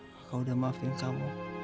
kakak udah maafin kamu